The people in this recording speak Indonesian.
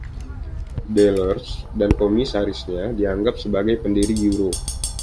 Delors dan Komisarisnya dianggap sebagai "pendiri" euro.